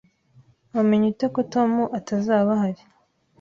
Wamenye ute ko Tom atazaba ahari?